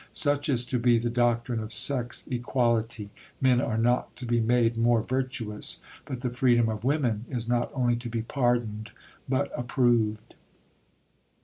Such is to be the doctrine of sex equality; men are not to be made more virtuous, but the freedom of women is not only to be pardoned, but approved.